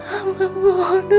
ampunanmu ya allah